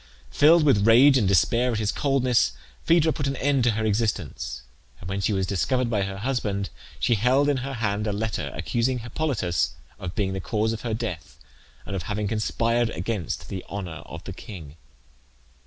Filled with rage and despair at his coldness Phaedra put an end to her existence; and when she was discovered by her husband she held in her hand a letter, accusing Hippolytus of being the cause of her death, and of having conspired against the honour of the king.